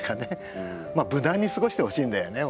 まあ無難に過ごしてほしいんだよね